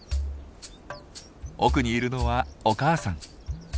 奥にいるのはお母さん。